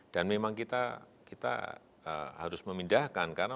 dan memang kita harus memindahkan